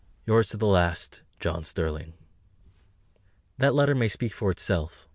Yours to the last, JOHN STERLING. That letter may speak for itself.